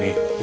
wah di sini